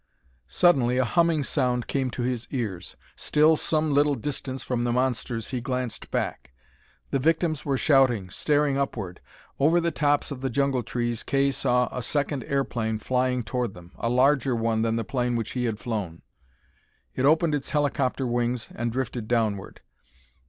Suddenly a humming sound came to his ears. Still some little distance from the monsters, he glanced back. The victims were shouting, staring upward. Over the tops of the jungle trees Kay saw a second airplane flying toward them, a larger one than the plane which he had flown. It opened its helicopter wings and drifted downward.